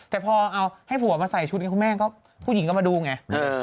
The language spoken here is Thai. แต่พอเอาให้ผัวมาใส่ชุดนี้คุณแม่ก็ผู้หญิงก็มาดูไง